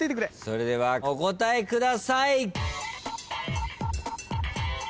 それではお答えください。